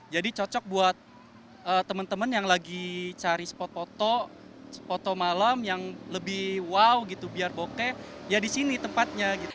jadi cocok buat teman teman yang lagi cari spot foto foto malam yang lebih wow gitu biar bokeh ya disini tempatnya gitu